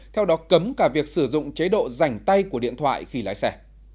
theo đó cấm cả việc sử dụng chế độ dành tay của điện thoại khi lái xe